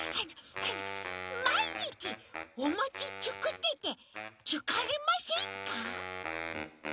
まいにちおもちつくっててつかれませんか？